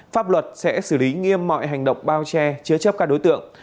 pháp luật sẽ xử lý nghiêm mọi hành động bao che chứa chấp các đối tượng